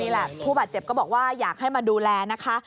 แหละผู้บาดเจ็บก็บอกว่าอยากให้มาดูแลนะคะ